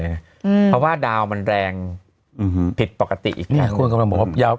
อืมเพราะว่าดาวน์มันแรงอืมผิดปกติอีกครั้งนี่ควรกำลังบอกว่า